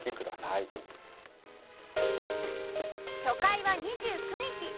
初回は２９日。